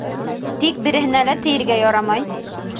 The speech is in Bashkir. Тик береһенә лә тейергә ярамай.